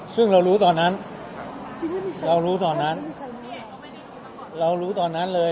ซึ่งเรารู้ตอนนั้นเรารู้ตอนนั้นเรารู้ตอนนั้นเลย